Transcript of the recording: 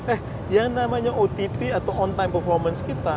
eh yang namanya otp atau on time performance kita